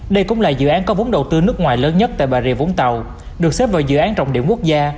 đây cũng là dự án có vốn đầu tư nước ngoài lớn nhất tại bà rịa vũng tàu được xếp vào dự án trọng điểm quốc gia